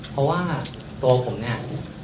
เพราะว่าตัวผมเนี่ย